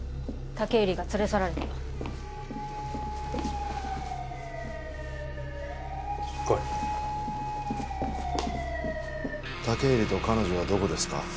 武入が連れ去られた来い武入と彼女はどこですか？